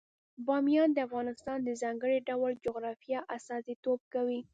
بامیان د افغانستان د ځانګړي ډول جغرافیه استازیتوب کوي.